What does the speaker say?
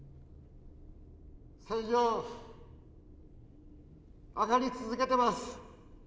線量上がり続けてます。